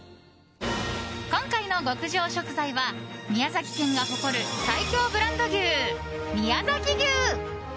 今回の極上食材は宮崎県が誇る最強ブランド牛宮崎牛。